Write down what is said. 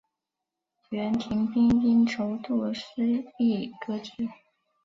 阮廷宾因筹度失宜革职。